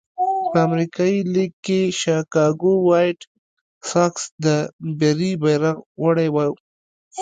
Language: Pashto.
په امریکایي لېګ کې شکاګو وایټ ساکس د بري بیرغ وړی وو.